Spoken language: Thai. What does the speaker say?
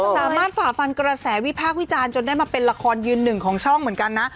ฝ่าฟันกระแสวิพากษ์วิจารณ์จนได้มาเป็นละครยืนหนึ่งของช่องเหมือนกันนะ